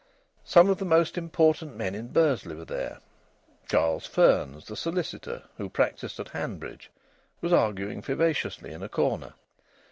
Some of the most important men in Bursley were there. Charles Fearns, the solicitor, who practised at Hanbridge, was arguing vivaciously in a corner.